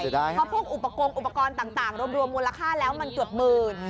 เพราะพวกอุปกรณ์อุปกรณ์ต่างรวมมูลค่าแล้วมันเกือบหมื่น